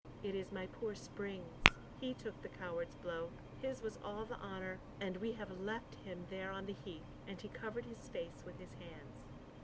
"It is my poor Spring's. He took the coward's blow. His was all the honour, and we have left him there on the heath!" And he covered his face with his hands.